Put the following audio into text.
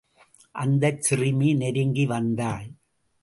அந்தச் சிறுமி நெருங்கி வந்தாள்.